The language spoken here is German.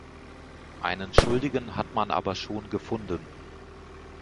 Einen Schuldigen hat man aber schon gefunden.